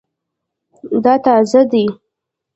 دا تازه دی